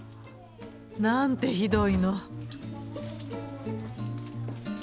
なんてひどいの。